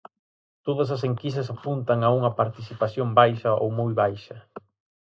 Todas as enquisas apuntan a unha participación baixa ou moi baixa.